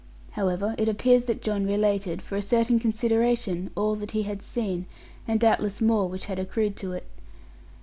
However, it appears that John related, for a certain consideration, all that he had seen, and doubtless more which had accrued to it.